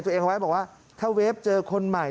แต่ตัวเองเขาไว้บอกว่าถ้าเวฟเจอคนใหม่